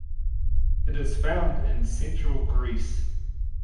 It is found in Central Greece.